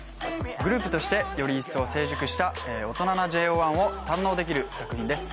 グループとしてより一層成熟した大人なＪＯ１を堪能できる作品です。